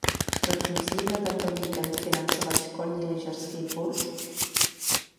Proč musíme tento víkend financovat školní lyžařský kurz?